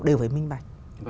đều phải minh bạch